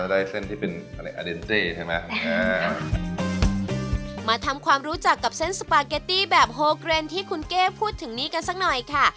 ได้เส้นที่เป็นอะไรอเดนเต้ใช่ไหมอ่ามาทำความรู้จักกับเส้นสปาเกตตี้แบบโฮเกรนที่คุณเก้พูดถึงนี้กันสักหน่อยค่ะ